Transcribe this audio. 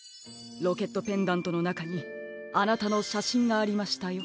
ロケットペンダントのなかにあなたのしゃしんがありましたよ。